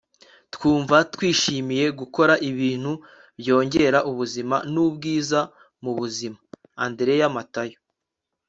twumva twishimiye gukora ibintu byongera ubuzima n'ubwiza mu buzima - andereya matayo